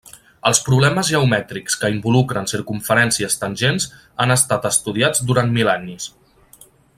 Els problemes geomètrics que involucren circumferències tangents han estat estudiats durant mil·lennis.